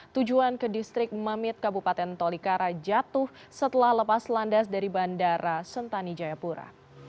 tujuan ke distrik mamit kabupaten tolikara jatuh setelah lepas landas dari bandara sentani jayapura